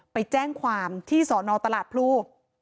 ไปแจ้งความที่สอนอตลาดพลู